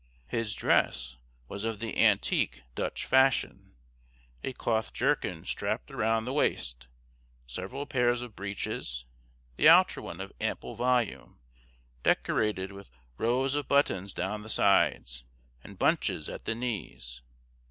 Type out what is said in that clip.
His dress was of the antique Dutch fashion a cloth jerkin strapped round the waist several pairs of breeches, the outer one of ample volume, decorated with rows of buttons down the sides, and bunches at the knees.